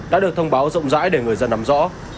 đã được thông báo rộng rãi để người dân nắm rõ